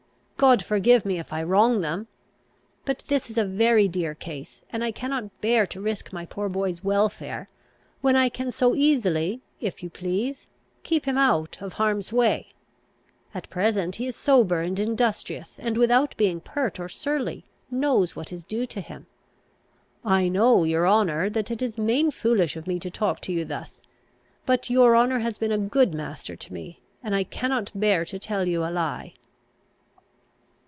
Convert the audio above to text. God forgive me, if I wrong them! But this is a very dear case, and I cannot bear to risk my poor boy's welfare, when I can so easily, if you please, keep him out or harm's way. At present he is sober and industrious, and, without being pert or surly, knows what is due to him. I know, your honour, that it is main foolish of me to talk to you thus; but your honour has been a good master to me, and I cannot bear to tell you a lie."